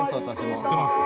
知ってますか？